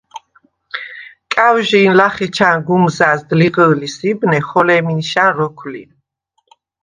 კა̈ვჟი̄ნ ლახე ჩა̈ნგ უმზა̈ზდ ლიღჷ̄ლის იბნე, ხოლე̄მი ნიშა̈ნ როქვ ლი.